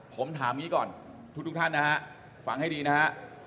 ผมถามอย่างนี้ก่อนทุกท่านนะฮะฟังให้ดีนะฮะ